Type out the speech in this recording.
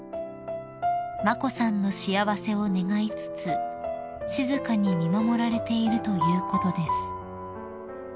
［眞子さんの幸せを願いつつ静かに見守られているということです］